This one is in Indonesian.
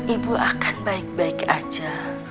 ibu akan baik baik aja